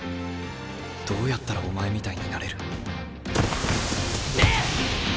どうやったらお前みたいになれる？